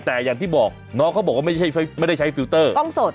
แต่อย่างที่บอกน้องเขาบอกว่าไม่ได้ใช้ฟิลเตอร์กล้องสด